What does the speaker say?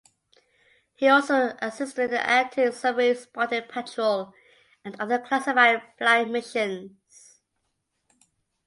He also assisted in anti submarine spotting patrol and other classified flight missions.